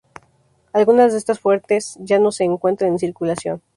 Algunas de estas fuentes ya no se encuentran en circulación.